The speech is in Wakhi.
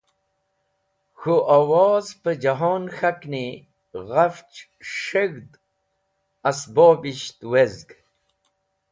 K̃hũ owaz pẽ jẽhon k̃hakni ghafch s̃heg̃hd ẽsbobisht wezg.